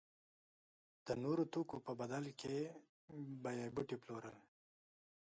د نورو توکو په بدل کې به یې بوټي پلورل.